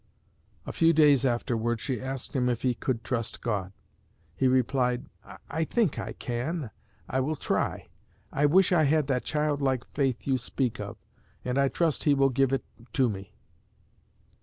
A few days afterward she asked him if he could trust God. He replied, 'I think I can. I will try. I wish I had that childlike faith you speak of, and I trust He will give it to me.'